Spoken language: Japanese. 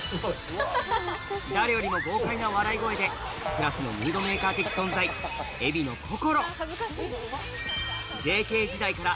誰よりも豪快な笑い声でクラスのムードメーカー的存在海老野心